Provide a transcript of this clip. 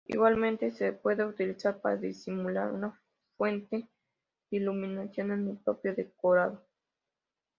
Igualmente se puede utilizar para disimular una fuente de iluminación en el propio decorado.